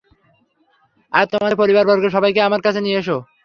আর তোমাদের পরিবারবর্গের সবাইকে আমার কাছে নিয়ে এস।